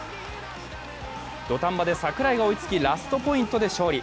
土壇場で櫻井が追いつき、ラストポイントで勝利。